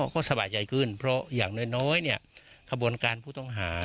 ก็สบายใจขึ้นเพราะอย่างน้อยเนี่ยขบวนการผู้ต้องหา